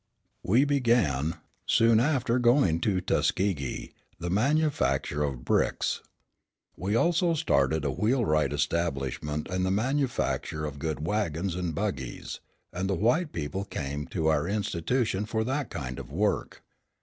We began, soon after going to Tuskegee, the manufacture of bricks. We also started a wheelwright establishment and the manufacture of good wagons and buggies; and the white people came to our institution for that kind of work.